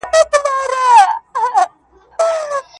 • سیاه پوسي ده، قندهار نه دی.